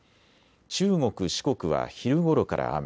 中国、四国は昼ごろから雨。